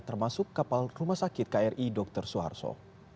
termasuk kapal rumah sakit kri dr suharto